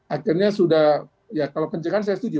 akhirnya sudah ya kalau pencegahan saya setuju